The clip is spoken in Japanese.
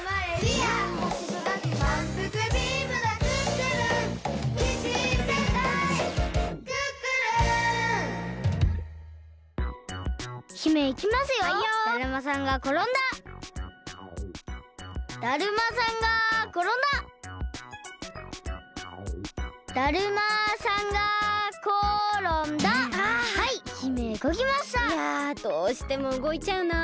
いやどうしてもうごいちゃうな。